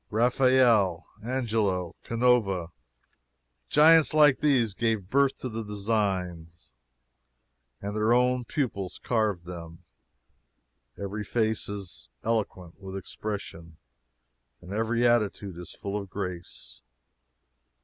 Raphael, Angelo, Canova giants like these gave birth to the designs, and their own pupils carved them. Every face is eloquent with expression, and every attitude is full of grace.